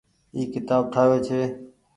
اي ڪيتآب ٺآوي ڇي۔